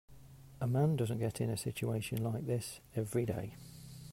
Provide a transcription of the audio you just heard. A man doesn't get in a situation like this every day.